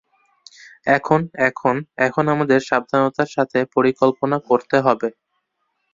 এখন, এখন, এখন আমাদের সাবধানতার সাথে পরিকল্পনা করতে হবে।